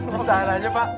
bisa aja pak